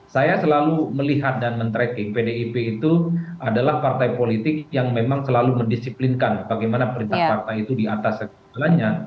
saya selalu melihat dan men tracking pdip itu adalah partai politik yang memang selalu mendisiplinkan bagaimana perintah partai itu di atas segalanya